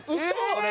これ？